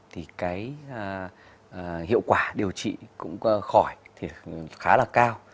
thì cái hiệu quả điều trị cũng khỏi thì khá là cao